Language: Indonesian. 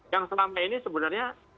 yang selama ini sebenarnya